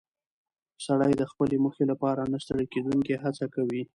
سړی د خپلې موخې لپاره نه ستړې کېدونکې هڅه کوي